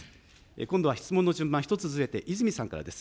今度は質問の順番１つずれて、泉さんからです。